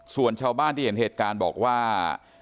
ส่วนชาวบ้านที่เห็นเหตุการณ์บอกว่า